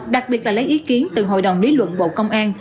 đặc biệt là lấy ý kiến từ hội đồng lý luận bộ công an